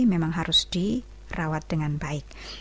memang harus dirawat dengan baik